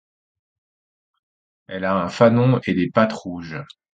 Elle a un fanon et les pattes rouges.